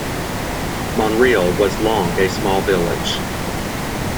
Monreale was long a small village.